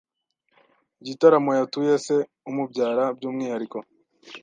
igitaramo yatuye se umubyara by’umwihariko.